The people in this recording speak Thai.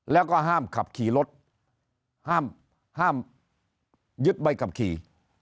แล้วก็ห้ามขับขี่รถห้ามยึดใบขับขี่